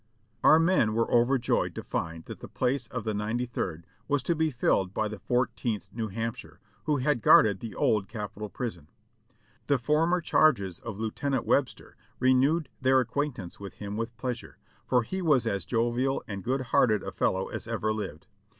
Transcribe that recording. Our men were overjoyed to find that the place of the Ninety third was to be filled by the Fourteenth New Hampshire, who had guarded the Old Capitol Prison. The former charges of Lieu tenant Webster renewed their acquaintance with him with pleas ure, for he was as jovial and good hearted a fellow as ever lived.